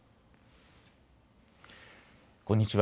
こんにちは。